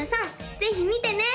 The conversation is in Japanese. ぜひ見てね！